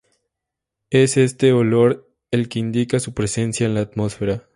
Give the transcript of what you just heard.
Es este olor el que indica su presencia en la atmósfera.